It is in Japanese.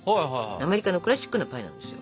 アメリカのクラシックなパイなんですよ。